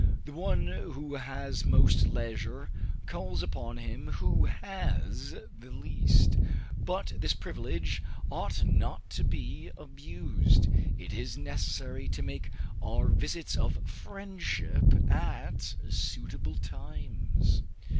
The one who has most leisure, calls upon him who has the least; but this privilege ought not to be abused: it is necessary to make our visits of friendship at suitable times.